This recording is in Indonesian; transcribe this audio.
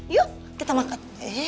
yuk kita makan